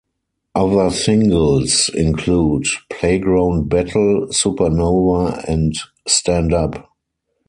Other singles include "Playground Battle", "Supernova" and "Stand Up".